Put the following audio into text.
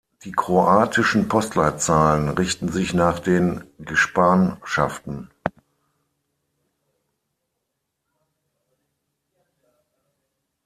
Die kroatischen Postleitzahlen richten sich nach den Gespanschaften.